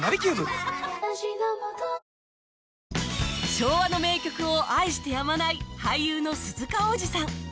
昭和の名曲を愛してやまない俳優の鈴鹿央士さん